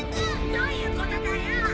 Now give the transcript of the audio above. どういうことだよ！